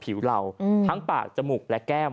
ผิวเราทั้งปากจมูกและแก้ม